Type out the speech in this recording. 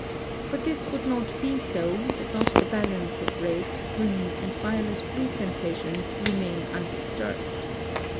But this would not be so, did not the balance of red, green, and violet blue sensations remain undisturbed.